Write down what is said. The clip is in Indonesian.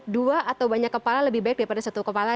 dua atau banyak kepala lebih baik daripada satu kepala